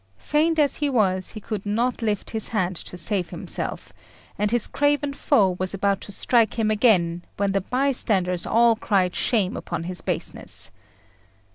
Faint as he was, he could not lift his hand to save himself; and his craven foe was about to strike him again, when the bystanders all cried shame upon his baseness.